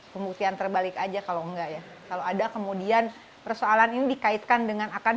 pembuktian terbalik aja kalau enggak ya kalau ada kemudian persoalan ini dikaitkan dengan akan